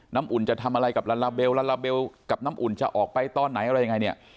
อุ่นจะทำอะไรกับลาลาเบลลาลาเบลกับน้ำอุ่นจะออกไปตอนไหนอะไรยังไงเนี่ย